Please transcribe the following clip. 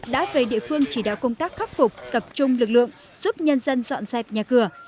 đã về địa phương chỉ đạo công tác khắc phục tập trung lực lượng giúp nhân dân dọn dẹp nhà cửa